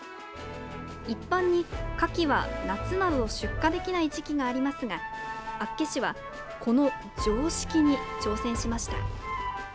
一般にカキは夏など出荷できない時期がありますが厚岸は、この常識に挑戦しました。